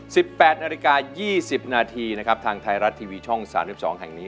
แปดนาฬิกายี่สิบนาทีนะครับทางไทยรัฐทีวีช่องสามสิบสองแห่งนี้